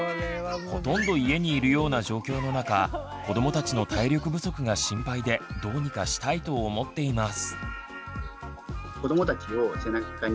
ほとんど家にいるような状況の中子どもたちの体力不足が心配でどうにかしたいと思っています。